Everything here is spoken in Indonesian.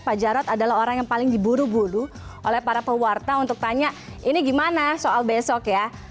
pak jarod adalah orang yang paling diburu buru oleh para pewarta untuk tanya ini gimana soal besok ya